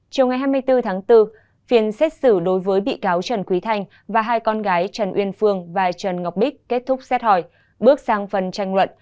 chiều ngày hai mươi bốn tháng bốn phiên xét xử đối với bị cáo trần quý thanh và hai con gái trần uyên phương và trần ngọc bích kết thúc xét hỏi bước sang phần tranh luận